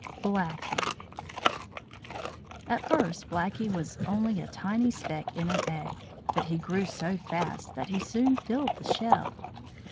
BLACKIE At first Blackie was only a tiny speck in an egg, but he grew so fast that he soon filled the shell.